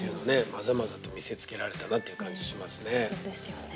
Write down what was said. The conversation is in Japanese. まざまざと見せつけられたなという感じしますね。ですよね。